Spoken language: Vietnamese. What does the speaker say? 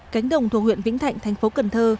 cánh đồng thuộc huyện vĩnh thạnh thành phố cần thơ